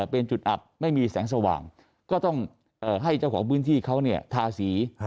เป็นจุดอับไม่มีแสงสว่างก็ต้องให้เจ้าของพื้นที่เขาทาสี